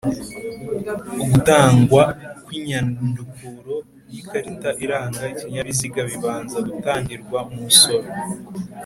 Ugutangwa kw'inyandukuro y'ikarita iranga ikinyabiziga bibanza gutangirwa umusoro